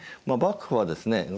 まあ幕府はですね